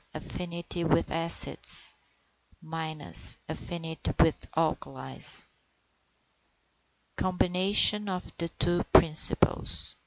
Affinity with acids. Affinity with alkalis. COMBINATION OF THE TWO PRINCIPLES.